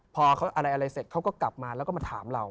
พออะไรเสร็จเขาก็กลับมาแล้วก็มาถามเรา